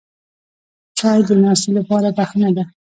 چای د ناستې لپاره بهانه ده